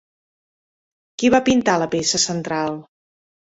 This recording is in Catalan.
Qui va pintar la peça central?